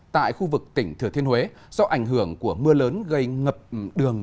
tại khu vực tỉnh thừa thiên huế do ảnh hưởng của mưa lớn gây ngập đường